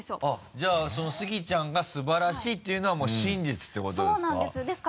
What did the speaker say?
じゃあそのスギちゃんが素晴らしいっていうのはもう真実っていうことですか？